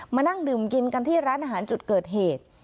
มานั่งดื่มกินกันที่ร้านอาหารจุดเกิดเหตุ